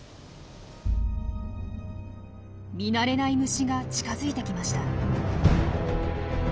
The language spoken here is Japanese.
見慣れない虫が近づいてきました。